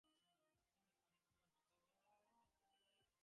সে তরকারি-কোটা ফেলিয়া দ্বারের কাছে আসিয়া দাঁড়াইল।